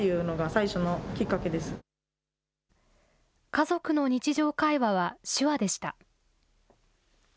家族の日常会話は手話でした。